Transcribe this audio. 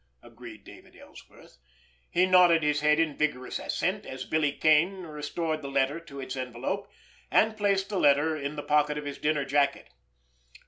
agreed David Ellsworth. He nodded his head in vigorous assent, as Billy Kane restored the letter to its envelope, and placed the letter in the pocket of his dinner jacket.